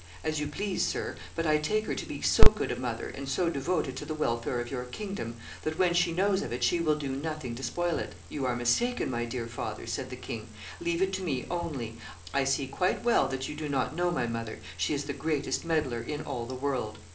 'As you please, sir; but I take her to be so good a mother, and so devoted to the welfare of your kingdom, that when she knows of it she will do nothing to spoil it.' 'You are mistaken, my dear father,' said the king; 'leave it to me only; I see quite well that you do not know my mother; she is the greatest meddler in all the world.